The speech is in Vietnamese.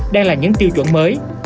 đang là những tiêu chuẩn mới